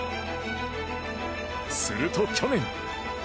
すると、去年。